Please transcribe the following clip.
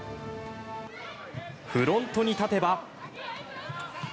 フロントに立てば。